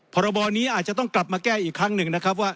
พรบนี้อาจจะต้องกลับมาแก้อีกครั้งหนึ่งนะครับว่า